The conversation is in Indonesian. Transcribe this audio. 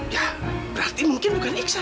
ya berarti mungkin bukan iksan